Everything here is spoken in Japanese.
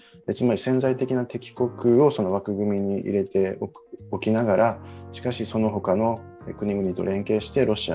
つまり潜在的な敵国を枠組みに入れておきながらしかし、その他の国々と連携して、